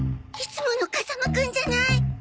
いつもの風間くんじゃない。